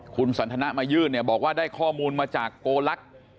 คุณสันทนามายื่นเนี่ยบอกว่าได้ข้อมูลมาจากโกลักษณ์